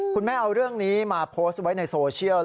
คุณแม่เอาเรื่องนี้มาโพสต์ไว้ในโซเชียล